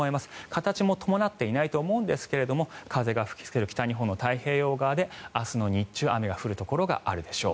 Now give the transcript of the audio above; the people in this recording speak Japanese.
形も伴っていないと思うんですが風が吹きつける北日本の太平洋側で明日の日中雨が降るところがあるでしょう。